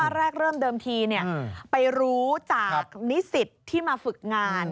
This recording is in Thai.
แรกเริ่มเดิมทีไปรู้จากนิสิตที่มาฝึกงาน